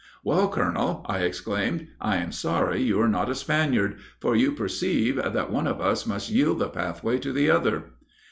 "'Well, colonel,' I exclaimed, 'I am sorry you are not a Spaniard; for, you perceive, that one of us must yield the pathway to the other."